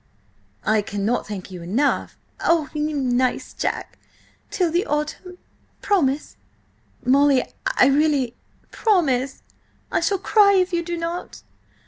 "I cannot thank you enough—" "Oh, you nice Jack! Till the autumn? Promise!" "Molly, I really—" "Promise! I shall cry if you do not!"